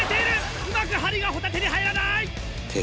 うまく針がホタテに入らない！